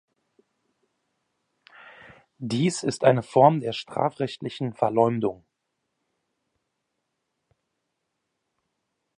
Dies ist eine Form der strafrechtlichen Verleumdung.